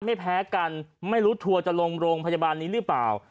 ไม่แพ้กันไม่รู้ทัวร์จะลงโรงพยาบาลนี้หรือเปล่า